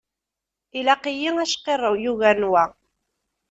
Ilaq-iyi acqirrew yugaren wa.